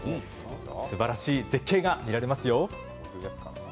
すばらしい絶景が見られますよ。